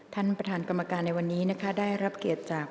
ท่านประธานกรรมการในวันนี้นะคะได้รับเกียรติจาก